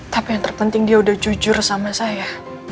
tapi yang terpenting dia udah jujur sama saya